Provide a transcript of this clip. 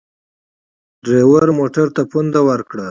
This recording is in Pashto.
ډریور موټر ته پونده ورکړه.